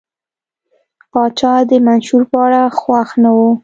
پاچا د منشور په اړه خوښ نه و.